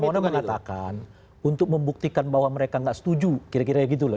kompolna mengatakan untuk membuktikan bahwa mereka nggak setuju kira kira gitu loh